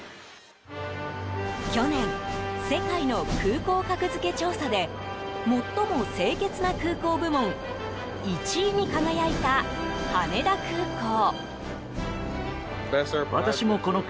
去年、世界の空港格付け調査で最も清潔な空港部門１位に輝いた羽田空港。